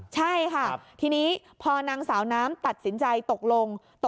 ใช่ค่ะทีนี้พอนางสาวน้ำตัดสินใจตกลง